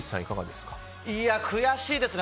悔しいですね。